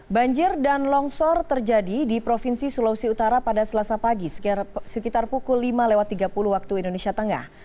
banjir dan longsor terjadi di provinsi sulawesi utara pada selasa pagi sekitar pukul lima tiga puluh waktu indonesia tengah